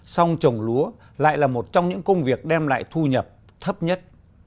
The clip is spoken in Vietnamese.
xong trồng lúa lại là một trong những công việc đem lại thu nhập thấp nhất